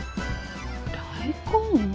大根？